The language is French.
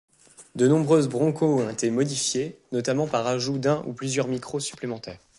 De nombreuses Bronco ont été modifiées, notamment par ajout d'un ou plusieurs micros supplémentaires.